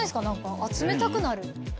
何か集めたくなる。